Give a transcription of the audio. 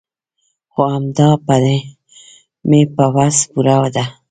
خو همدا مې په وس پوره ده.